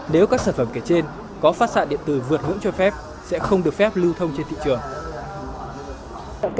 nếu các sản phẩm kể trên có phát xạ điện tử vượt ngưỡng cho phép sẽ không được phép lưu thông trên thị trường